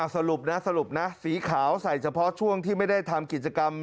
สรุปนะสรุปนะสีขาวใส่เฉพาะช่วงที่ไม่ได้ทำกิจกรรม